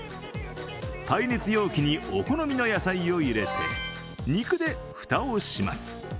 耐熱容器にお好みの野菜を入れて、肉で蓋をします。